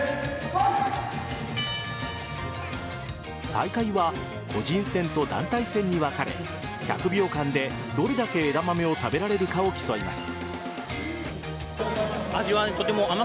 大会は個人戦と団体戦に分かれ１００秒間でどれだけ枝豆を食べれるかを競います。